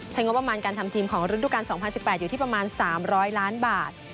งบประมาณการทำทีมของฤดูการ๒๐๑๘อยู่ที่ประมาณ๓๐๐ล้านบาท